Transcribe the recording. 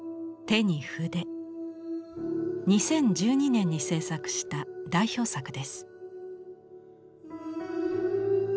２０１２年に制作した代表作です。